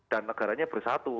dan negaranya bersatu